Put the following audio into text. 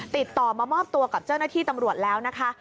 ติดต่อมามอบตัวกับเจ้าหน้าที่ตำรวจแล้วนะคะ